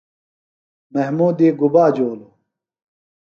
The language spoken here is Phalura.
محمودی گُبا جولوۡ ؟